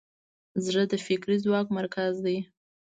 زړه د فکري ځواک مرکز دی.